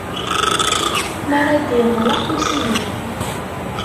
Mi ara d-iḍelq usigna.